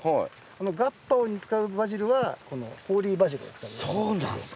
あのガパオに使うバジルはこのホーリーバジルを使うんです。